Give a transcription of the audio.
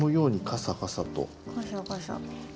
カサカサ。